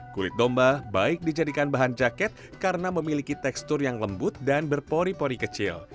kulit domba baik dijadikan bahan jaket karena memiliki tekstur yang lembut dan berpori pori kecil